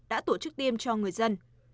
đã tổ chức tiêm cho người dân